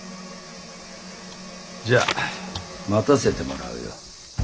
じゃあ待たせてもらうよ。